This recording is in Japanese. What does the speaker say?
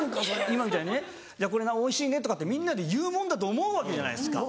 今みたいにね「これおいしいね」とかってみんなで言うもんだと思うわけじゃないですか。